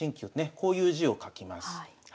こういう字を書きます。